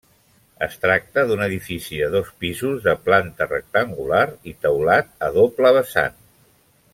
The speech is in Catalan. Es tracta d'un edifici de dos pisos, de planta rectangular i teulat a doble vessant.